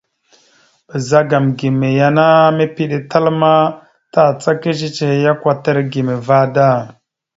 Ɓəzagam gime ya ana mèpiɗe tal ma, tàcaka cicihe ya kwatar gime vaɗ da.